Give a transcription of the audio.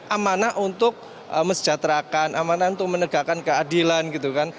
amanah untuk mesejahterakan amanah untuk menegakkan keadilan gitu kan